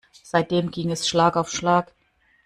Seitdem ging es Schlag auf Schlag.